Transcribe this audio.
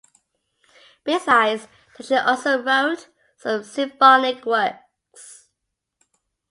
Besides that she also wrote some symphonic works.